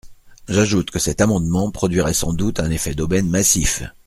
J’ajoute que cet amendement produirait sans doute un effet d’aubaine massif.